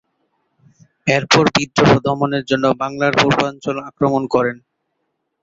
এরপর বিদ্রোহ দমনের জন্য বাংলার পূর্বাঞ্চল আক্রমণ করেন।